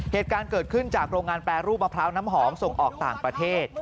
เหตุการณ์เกิดขึ้นจากโรงงานแปรรูปมะพร้าวน้ำหอมส่งออกต่างประเทศ